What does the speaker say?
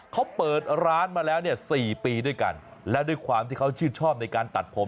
เขาเปิดร้านมาแล้วเนี่ย๔ปีด้วยกันแล้วด้วยความที่เขาชื่นชอบในการตัดผม